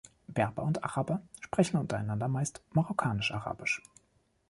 Berber und Araber sprechen untereinander meist Marokkanisch-Arabisch.